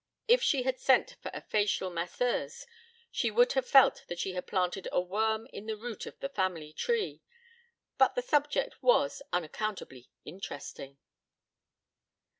If she had sent for a facial masseuse she would have felt that she had planted a worm at the root of the family tree, but the subject was unaccountably interesting.